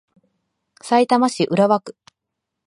さいたま市浦和区